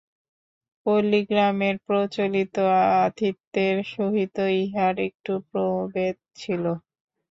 পল্লীগ্রামের প্রচলিত আতিথ্যের সহিত ইহার একটু প্রভেদ ছিল।